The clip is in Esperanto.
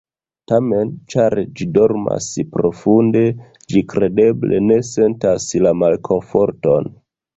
Tamen, ĉar ĝi dormas profunde, ĝi kredeble ne sentas la malkomforton.